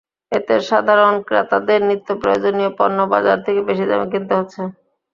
এতে সাধারণ ক্রেতাদের নিত্যপ্রয়োজনীয় পণ্য বাজার থেকে বেশি দামে কিনতে হচ্ছে।